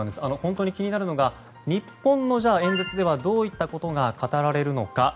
本当に気になるのが日本の演説ではどういったことが語られるのか。